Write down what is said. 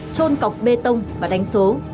trôn cọc bê tông và đánh số